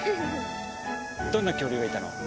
どんな恐竜がいたの？